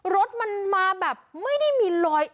รถมันมาแบบไม่ได้มีรอย